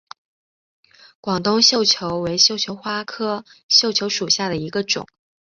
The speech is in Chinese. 广东绣球为绣球花科绣球属下的一个种。